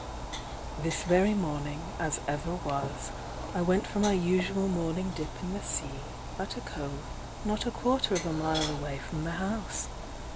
"This very morning, as ever was, I went for my usual moming dip in the sea at a eove not a quarter of a mile away from the house.